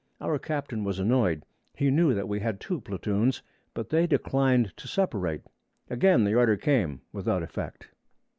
Our captain was annoyed; he knew that he had two platoons, but they declined to separate. Again the order came, without effect.